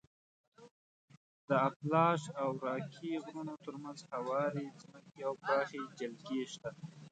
د اپالاش او راکي غرونو تر منځ هوارې ځمکې او پراخې جلګې شته.